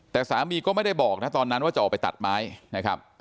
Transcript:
แต่สามีก็ไม่ได้บอกนะตอนนั้นว่าจะออกไปตัดไม้นะครับ